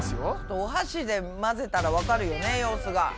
お箸で混ぜたらわかるよね様子が。